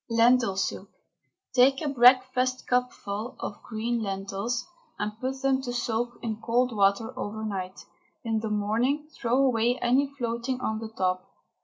LENTIL SOUP. Take a breakfastcupful of green lentils and put them to soak in cold water overnight. In the morning throw away any floating on the top.